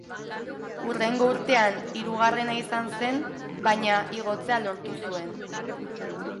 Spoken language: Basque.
Hurrengo urtean hirugarrena izan zen baina igotzea lortu zuen.